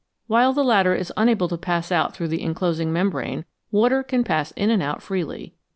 While the latter is unable to pass out through the enclosing membrane, water can pass in and out freely.